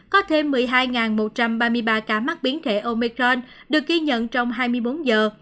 có thêm một mươi hai một trăm ba mươi ba ca mắc biến thể omecron được ghi nhận trong hai mươi bốn giờ